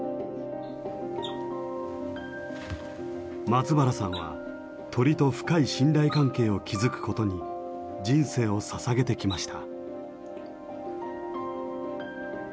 松原さんは鳥と深い信頼関係を築くことに人生をささげてきました。